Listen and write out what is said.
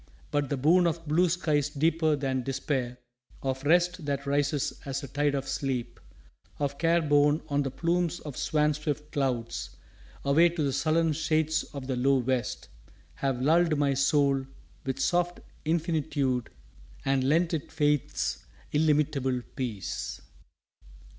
But the boon of blue skies deeper than despair, Of rest that rises as a tide of sleep, Of care borne on the plumes of swan swift clouds Away to the sullen shades of the low west, Have lulled my soul with soft infinitude And lent it faith's illimitable Peace.